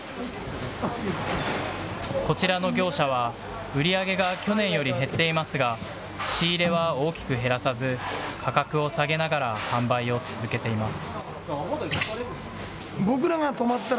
こちらの業者は、売り上げが去年より減っていますが、仕入れは大きく減らさず、価格を下げながら販売を続けています。